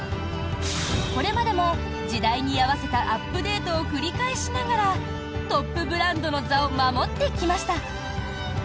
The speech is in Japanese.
これまでも時代に合わせたアップデートを繰り返しながらトップブランドの座を守ってきました。